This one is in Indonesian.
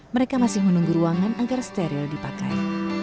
mereka masih menunggu ruangan agar steril dipakai